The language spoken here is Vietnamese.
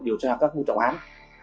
điều tra các trọng án